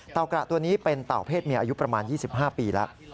กระตัวนี้เป็นเต่าเพศเมียอายุประมาณ๒๕ปีแล้ว